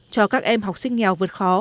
cho các em học sinh nghèo vượt khó